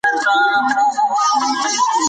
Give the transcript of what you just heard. مطالعه انسان ته د پوښتنې کولو او پلټنې جرئت ورکوي.